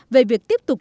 về việc tiếp tục